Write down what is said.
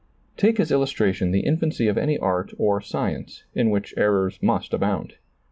Take as illustration the infancy of any art or science, in which errors must abound.